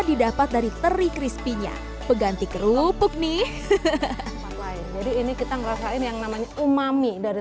didapat dari teri crispy nya peganti kerupuk nih jadi ini kita ngerasain yang namanya umami dari